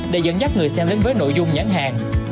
để dẫn dắt người xem đến với nội dung nhãn hàng